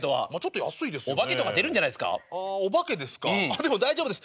でも大丈夫です。